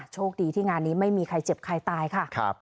โชคดีที่งานนี้ไม่มีใครเจ็บใครตายค่ะ